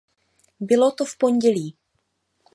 Bylo to v pondělí.